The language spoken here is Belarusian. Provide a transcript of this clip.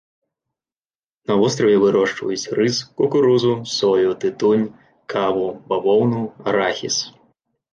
На востраве вырошчваюць рыс, кукурузу, сою, тытунь, каву, бавоўну, арахіс.